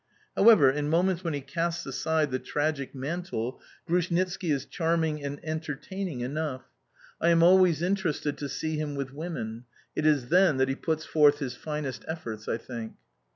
However, in moments when he casts aside the tragic mantle, Grushnitski is charming and entertaining enough. I am always interested to see him with women it is then that he puts forth his finest efforts, I think!